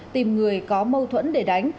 tìm người có mâu thuẫn để đánh